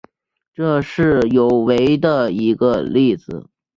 这是有违的一个例子。